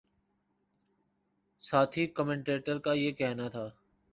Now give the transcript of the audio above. ساتھی کمنٹیٹر کا یہ کہنا تھا